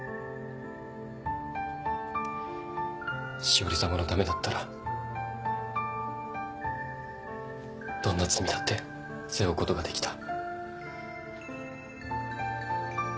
詩織さまのためだったらどんな罪だって背負うことができた。